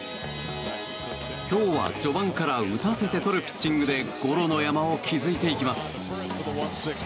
今日は序盤から打たせて取るピッチングでゴロの山を築いていきます。